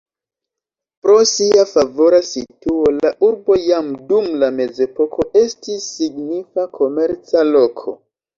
Pro sia favora situo la urbo jam dum la mezepoko estis signifa komerca loko.